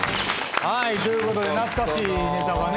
はいという事で懐かしいネタがね